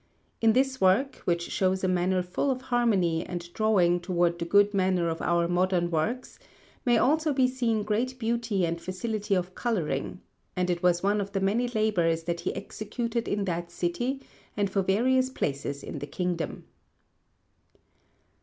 In this work, which shows a manner full of harmony and drawing towards the good manner of our modern works, may also be seen great beauty and facility of colouring; and it was one of the many labours that he executed in that city and for various places in the kingdom.